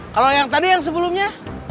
kalau yang tadi yang sebelumnya